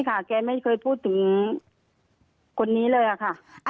แกไม่เคยพูดถึงคนนี้เลยค่ะ